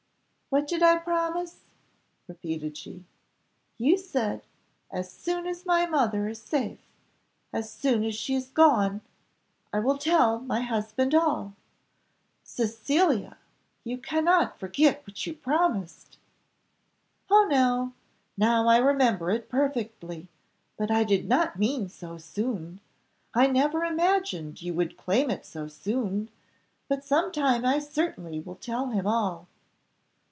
"What did I promise?" repeated she. "You said, 'As soon as my mother is safe, as soon as she is gone, I will tell my husband all,' Cecilia, you cannot forget what you promised." "Oh, no, now I remember it perfectly, but I did not mean so soon. I never imagined you would claim it so soon: but some time I certainly will tell him all."